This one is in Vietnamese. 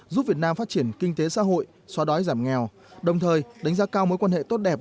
giúp việt nam phát triển kinh tế xã hội xóa đói giảm nghèo đồng thời đánh giá cao mối quan hệ tốt đẹp